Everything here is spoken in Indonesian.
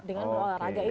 dengan berolahraga itu ya